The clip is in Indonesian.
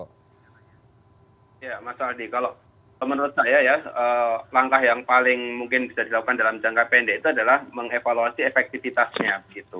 ya mas aldi kalau menurut saya ya langkah yang paling mungkin bisa dilakukan dalam jangka pendek itu adalah mengevaluasi efektivitasnya